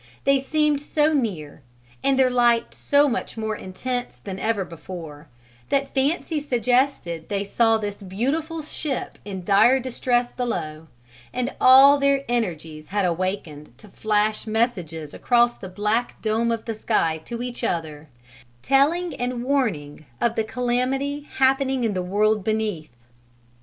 They seemed so near, and their light so much more intense than ever before, that fancy suggested they saw this beautiful ship in dire distress below and all their energies had awakened to flash messages across the black dome of the sky to each other; telling and warning of the calamity happening in the world beneath.